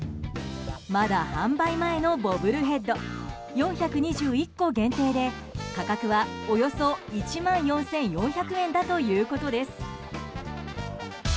まだ販売前のボブルヘッド４２１個限定で価格はおよそ１万４４００円だということです。